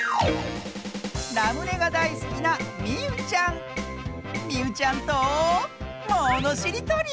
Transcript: ラムネがだいすきなみうちゃんとものしりとり！